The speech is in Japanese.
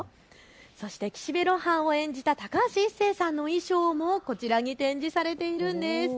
そして岸辺露伴を演じた高橋一生さんの衣装もこちらに展示されているんです。